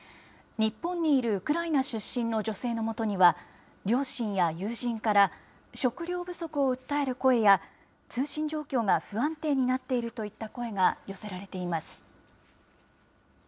日本にいるウクライナ出身の女性のもとには、両親や友人から食料不足を訴える声や、通信状況が不安定になっているといった声が寄せられています。